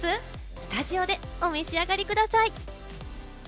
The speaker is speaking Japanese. スタジオでお召し上がりください。